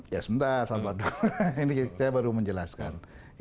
ya sebentar ini saya baru menjelaskan